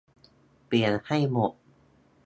เปลี่ยนให้หมด